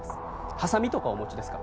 ハサミとかお持ちですか？